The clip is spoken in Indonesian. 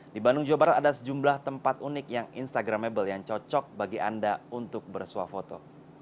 di bandung jawa barat ada sejumlah tempat unik yang instagramable yang cocok bagi anda untuk bersuah foto